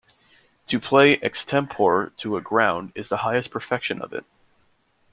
To play extempore to a ground is the highest perfection of it.